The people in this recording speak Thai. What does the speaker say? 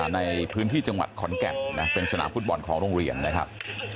ในพื้นที่จังหวัดขอนแก่นเป็นสนามฟุตบอลของโรงเรียนนะครับ